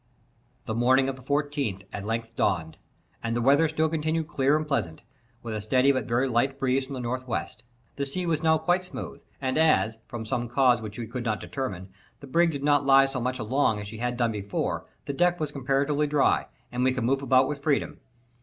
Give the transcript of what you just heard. The morning of the fourteenth at length dawned, and the weather still continued clear and pleasant, with a steady but very light breeze from the N. W. The sea was now quite smooth, and as, from some cause which we could not determine, the brig did not lie so much along as she had done before, the deck was comparatively dry, and we could move about with freedom.